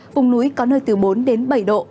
vùng núi có nơi từ bốn đến bảy độ